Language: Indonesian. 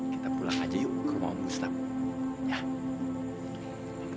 kita pulang aja yuk ke rumah muslim